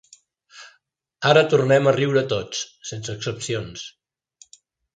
Ara tornem a riure tots, sense excepcions.